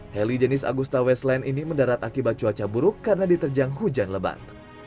heli jenis agusta westland ini mendarat akibat cuaca buruk karena diterjang hujan lebat